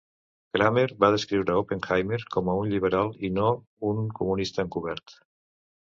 Kramer va descriure Oppenheimer com a un "lliberal" i no un "comunista encobert".